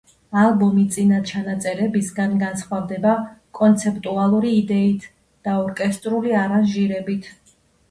ალბომი წინა ჩანაწერებისგან განსხვავდება კონცეპტუალური იდეით და ორკესტრული არანჟირებებით.